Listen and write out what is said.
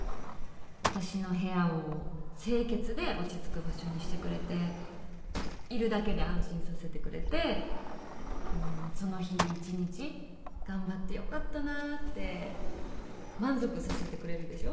私の部屋を清潔で落ち着く場所にしてくれているだけで安心させてくれてんその日一日頑張ってよかったなって満足させてくれるでしょ。